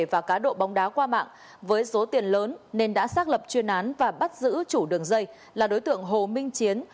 và cá độ bóng đá qua mạng với số tiền lớn nên đã xác lập chuyên án và bắt giữ chủ đường dây là đối tượng hồ minh chiến